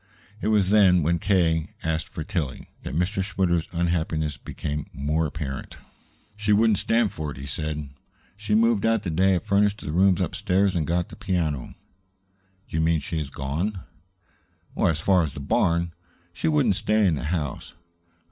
It was then, when K. asked for Tillie, that Mr. Schwitter's unhappiness became more apparent. "She wouldn't stand for it," he said. "She moved out the day I furnished the rooms upstairs and got the piano." "Do you mean she has gone?" "As far as the barn. She wouldn't stay in the house.